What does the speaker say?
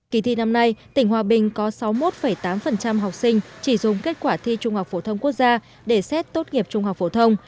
kỳ thi năm nay tỉnh hòa bình có sáu mươi một tám học sinh chỉ dùng kết quả thi trung học phổ thông quốc gia để xét tốt nghiệp trung học phổ thông